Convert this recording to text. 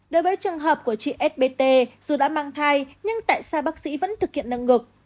đối với trường hợp của chị spt dù đã mang thai nhưng tại sao bác sĩ vẫn thực hiện nâng ngực